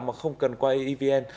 mà không cần quay evn